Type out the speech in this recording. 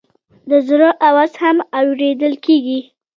د زړه آواز هم اورېدل کېږي.